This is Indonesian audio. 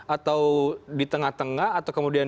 atau di tengah tengah atau kemudian